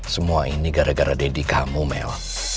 semua ini gara gara deddy kamu mel